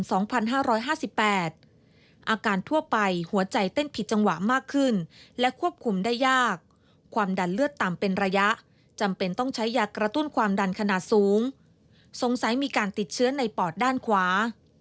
อาการทั่วไปหัวใจเต้นผิดจังหวะมากขึ้นและควบคุมได้ยากความดันเลือดต่ำเป็นระยะจำเป็นต้องใช้ยากระตุ้นความดันขนาดสูงสงสัยมีการติดเชื้อในปอดด้านขวา